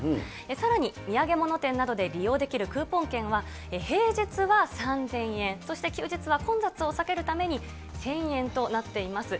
さらに土産物店などで利用できるクーポン券は平日は３０００円、そして休日は混雑を避けるために１０００円となっています。